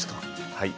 はい。